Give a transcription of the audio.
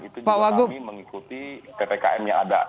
dan itu juga kami mengikuti ppkm yang ada